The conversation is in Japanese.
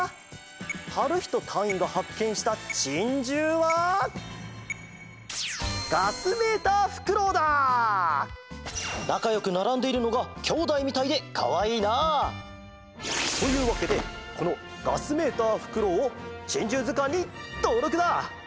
はるひとたいいんがはっけんしたチンジューはなかよくならんでいるのがきょうだいみたいでかわいいな！というわけでこのガスメーターフクロウを「珍獣図鑑」にとうろくだ！